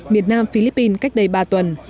miền nam philippines cách đây ba tuần